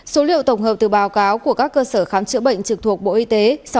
số liệu tổng hợp từ báo cáo của các cơ sở khám chữa bệnh trực thuộc bộ y tế